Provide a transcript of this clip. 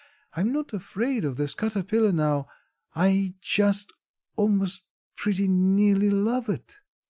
I'm not afraid of this caterpillar now; I just, almost, pretty nearly love it."